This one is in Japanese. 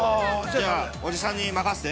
じゃあ、おじさんに任せて。